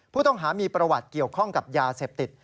ผู้ต้องหามีประวัติเกี่ยวข้องกับยาเสพติด